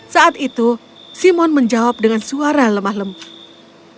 saat itu simon menjawab dengan suara lemah lemah